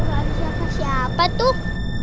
gak ada siapa siapa tuh